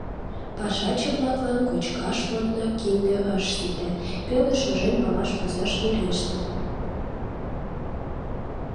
Пашаче-влаклан кочкаш воднак кинде ыш сите: пеле шужен малаш возаш вереште.